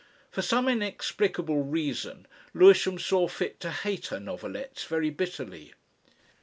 For some inexplicable reason Lewisham saw fit to hate her novelettes very bitterly.